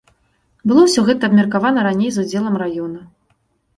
Было ўсё гэта абмеркавана раней з удзелам раёна.